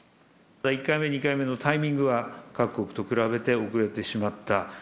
１回目、２回目のタイミングは、各国と比べて遅れてしまった。